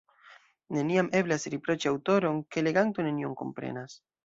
Neniam eblas riproĉi aŭtoron, ke leganto nenion komprenas.